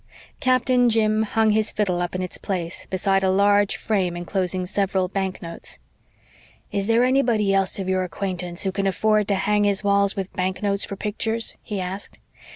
Captain Jim hung his fiddle up in its place, beside a large frame enclosing several banknotes. "Is there anybody else of your acquaintance who can afford to hang his walls with banknotes for pictures?" he asked.